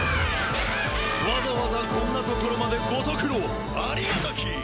わざわざこんな所までご足労ありがたき！